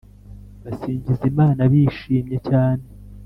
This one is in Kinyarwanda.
basingiza Imana bishimye cyane